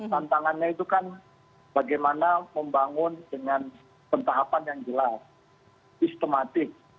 tantangannya itu kan bagaimana membangun dengan pentahapan yang jelas sistematik